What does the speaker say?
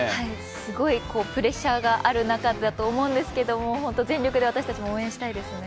すごいプレッシャーがある中でだと思うんですけど全力で私たちも応援したいですね。